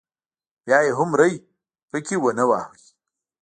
بیا یې هم ری پکې ونه واهه.